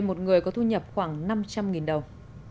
một người có thu nhập khoảng năm trăm linh đồng